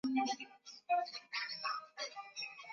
Ripoti ya Utafiti ya Wageni wa Kimataifa